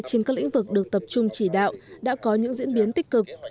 trên các lĩnh vực được tập trung chỉ đạo đã có những diễn biến tích cực